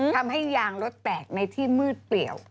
ทำให้ยางรถแตกในที่มืดเปลี่ยว